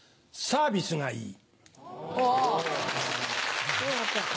サービスがいい。